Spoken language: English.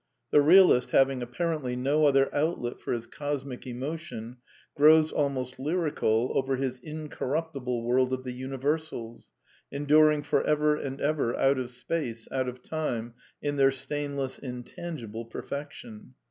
The realist having, apparently, no other outlet for his cosmic emo tion, grows almost lyrical over his incorruptible world of the universals, enduring for ever and ever, out of space, out of time, in their stainless, intangible perfection.